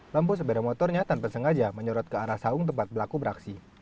lampu sepeda motornya tanpa sengaja menyorot ke arah sawung tempat pelaku beraksi